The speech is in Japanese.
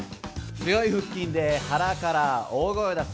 強い腹筋で腹から大声を出す。